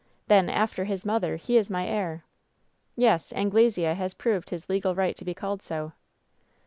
"Then, after his mother, he is my heir." "Yes, Anglesea has proved his legal right to be called so."